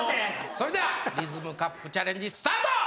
それではリズムカップチャレンジスタート！